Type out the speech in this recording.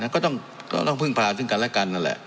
ก็ต้องพึ่งพาซึ่งกันและกันนั่นแหละ